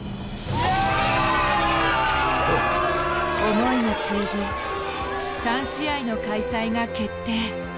思いが通じ３試合の開催が決定。